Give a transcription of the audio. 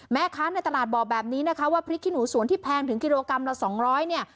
แม่ค้าในตลาดบอกแบบนี้นะคะว่าพริกขี้หนูสวนที่แพงถึงกิโลกรัมละสองร้อยเนี่ย